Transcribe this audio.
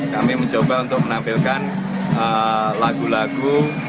kami mencoba untuk menampilkan lagu lagu